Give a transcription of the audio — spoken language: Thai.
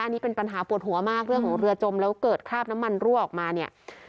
อันนี้เป็นปัญหาปวดหัวมากเรื่องของเรือจมแล้วเกิดคราบน้ำมันรั่วออกมาเนี่ย